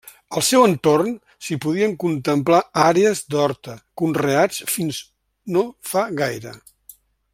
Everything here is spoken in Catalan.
Al seu entorn s'hi poden contemplar àrees d'horta, conreats fins no fa gaire.